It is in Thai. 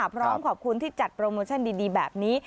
พร้อมขอบคุณที่จัดโปรโมชั่นดีแบบนี้